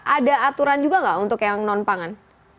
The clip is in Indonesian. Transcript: ada aturan juga nggak untuk yang non pangan